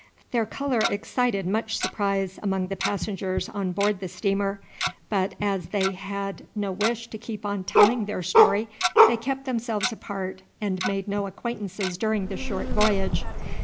Their colour excited much surprise among the passengers on board the steamer, but as they had no wish to keep on telling their story they kept themselves apart, and made no acquaintances during the short voyage.